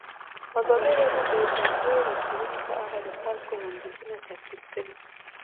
ازادي راډیو د د جګړې راپورونه په اړه د خلکو وړاندیزونه ترتیب کړي.